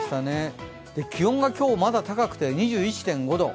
気温が今日、まだ高くて２１．５度。